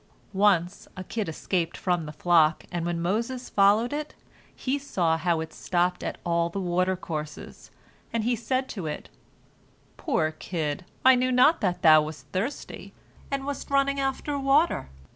Once a kid escaped from the flock, and when Moses followed it, he saw how it stopped at all the water courses, and he said to it: "Poor kid, I knew not that thou wast thirsty, and wast running after water!